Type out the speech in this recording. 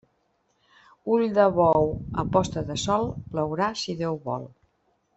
Ull de bou a posta de sol, plourà si Déu vol.